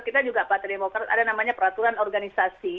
kita juga partai demokrat ada namanya peraturan organisasi